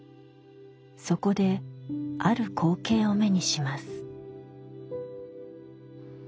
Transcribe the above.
そこである光景を目にします。